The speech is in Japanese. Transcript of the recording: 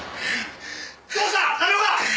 どうした浪岡！